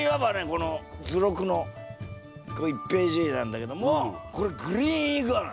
この図録の１ページ目なんだけどもこれグリーンイグアナ。